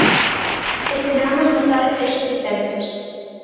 Esperamos notar eses efectos.